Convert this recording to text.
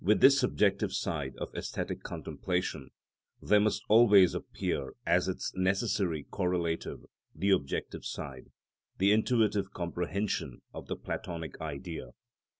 With this subjective side of æsthetic contemplation, there must always appear as its necessary correlative the objective side, the intuitive comprehension of the Platonic Idea.